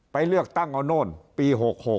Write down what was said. ไปเลือกตั้งเอาโน่นปี๖๖